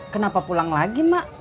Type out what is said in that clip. kenapa pulang lagi mak